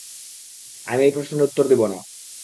আমি এই প্রশ্নের উত্তর দিব না।